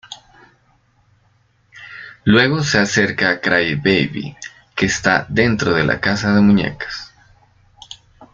Luego se acerca a Cry Baby, que está dentro de la casa de muñecas.